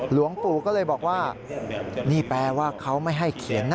หลวงปู่ก็เลยบอกว่านี่แปลว่าเขาไม่ให้เขียนนะ